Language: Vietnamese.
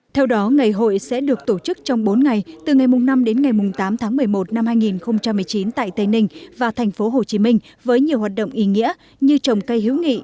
theo đó ngày hội sẽ được tổ chức trong bốn ngày từ ngày năm đến ngày tám tháng một mươi một năm hai nghìn một mươi chín tại tây ninh và thành phố hồ chí minh với nhiều hoạt động ý nghĩa như trồng cây hữu nghị